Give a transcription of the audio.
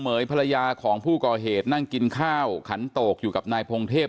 เหยภรรยาของผู้ก่อเหตุนั่งกินข้าวขันโตกอยู่กับนายพงเทพ